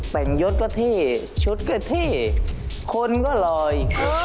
แต่งยดก็ที่ชุดก็ที่คนก็ลอย